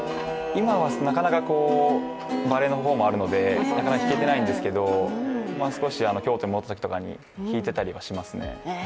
今はバレーの方もあるのでなかなか弾けていないんですけど京都に戻ったときとか、弾いてたりしますね。